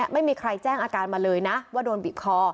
ไม่มีใครแจ้งอาการมาเลยนะว่าโดนบีบคอ